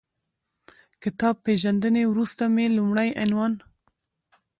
کتاب پېژندنې وروسته مې لومړی عنوان